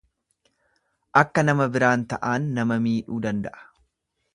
Akka nama biraan ta'aan nama miidhuu danda'a.